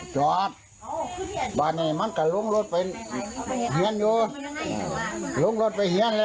ใช่ใช่เมียสุดอาหารได้ไง